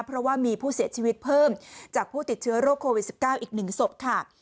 เพราะว่ามีผู้เสียชีวิตเพิ่มจากผู้ติดเชื้อโรคโควิด๑๙อีก๑ศพค่ะ